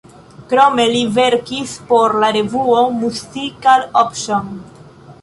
Krome li verkis por la revuo "Musical Opinion".